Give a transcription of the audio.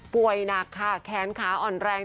ป่วยหนักค่ะแขนขาอ่อนแรง